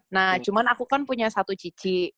nah cuman aku kan punya satu cici